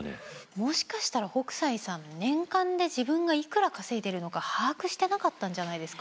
もしかしたら北斎さん年間で自分がいくら稼いでいるのか把握してなかったんじゃないですか？